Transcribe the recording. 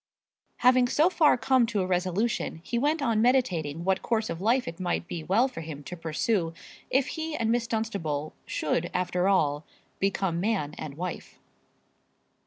Having so far come to a resolution he went on meditating what course of life it might be well for him to pursue if he and Miss Dunstable should, after all, become man and wife.